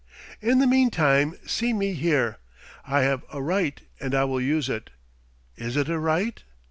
In the meantime, see me here. I have a right, and I will use it. Is it a right?